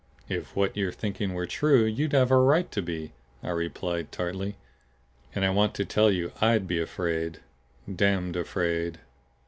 "If what you're thinking were true, you'd have a right to be," I replied tartly. "And I want to tell you I'D be afraid. Damned afraid."